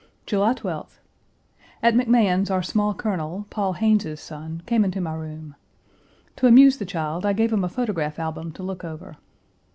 July 12th. At McMahan's our small colonel, Paul Hayne's son, came into my room. To amuse the child I gave him a photograph album to look over.